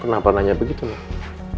kenapa aku selalu jadi orang terakhir yang tau